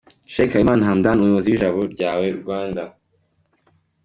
Sheikh Habimana Hamdan umuyobozi w'Ijabo Ryawe Rwanda.